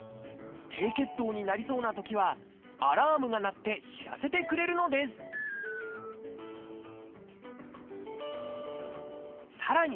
低血糖になりそうなときはアラームが鳴って知らせてくれるのですさらに